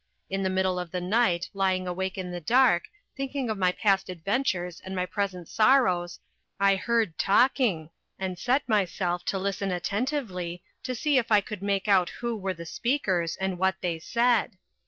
In the middle of the night, lying awake in the dark, thinking of my past adventures and my present sorrows, I heard talking, and set myself to listen attentively, to see if I could make out who were the speakers and what they said.